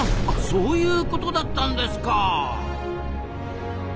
そういうことだったんですか。